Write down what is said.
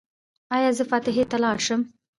ایا زه فاتحې ته لاړ شم؟